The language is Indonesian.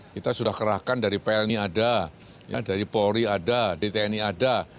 kita sudah kerahkan dari plni ada dari polri ada di tni ada